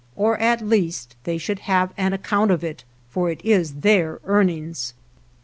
181 6 GERONIMO at least they should have an account of it, for it is their earnings.